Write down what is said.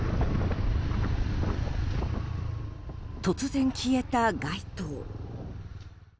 突然消えた街灯。